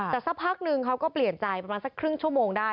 แต่สักพักนึงเขาก็เปลี่ยนใจประมาณสักครึ่งชั่วโมงได้